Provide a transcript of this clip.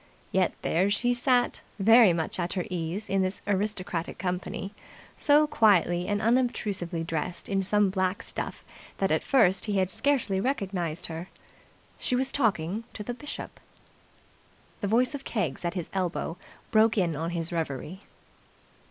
Yet there she sat, very much at her ease in this aristocratic company, so quietly and unobtrusively dressed in some black stuff that at first he had scarcely recognized her. She was talking to the Bishop. .. The voice of Keggs at his elbow broke in on his reverie.